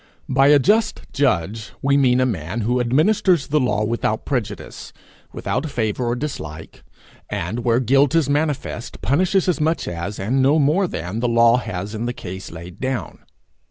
By a just judge we mean a man who administers the law without prejudice, without favour or dislike; and where guilt is manifest, punishes as much as, and no more than, the law has in the case laid down.